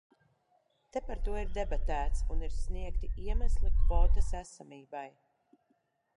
Te par to ir debatēts un ir sniegti iemesli kvotas esamībai.